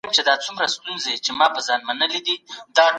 ایا د ماشومانو لپاره د مېوو د باغونو لیدل یو ښه تجربه ده؟